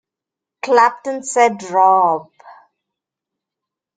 Clapton said Rob!